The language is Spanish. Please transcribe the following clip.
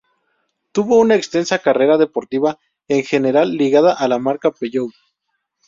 Tuvo una extensa carrera deportiva, en general ligada a la marca Peugeot.